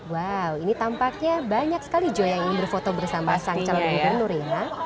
wow ini tampaknya banyak sekali joy yang ingin berfoto bersama sang calon gubernur ya